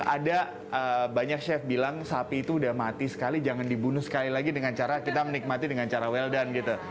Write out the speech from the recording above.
ada banyak chef bilang sapi itu udah mati sekali jangan dibunuh sekali lagi dengan cara kita menikmati dengan cara well down gitu